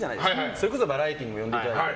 それこそバラエティーにも呼んでいただいて。